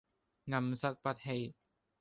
暗室不欺